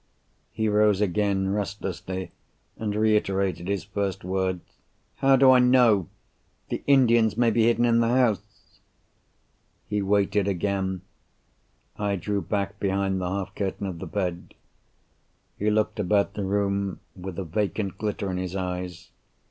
He rose again restlessly, and reiterated his first words. "How do I know? The Indians may be hidden in the house." He waited again. I drew back behind the half curtain of the bed. He looked about the room, with a vacant glitter in his eyes.